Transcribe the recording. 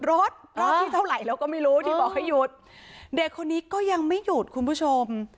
รอบที่เท่าไหร่แล้วก็ไม่รู้ที่บอกให้หยุดเด็กคนนี้ก็ยังไม่หยุดคุณผู้ชม